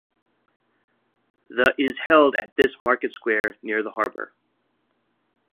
The is held at this market square near the harbour.